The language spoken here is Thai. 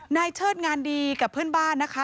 เชิดงานดีกับเพื่อนบ้านนะคะ